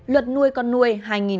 luật nuôi con nuôi hai nghìn một mươi